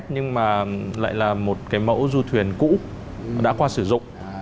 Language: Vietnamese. nhưng mà lại là một cái mẫu du thuyền cũ đã qua sử dụng